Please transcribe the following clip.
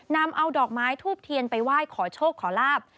นำเอาดอกไม้ทูบเทียนไปไหว้ขอโชคขอลาบ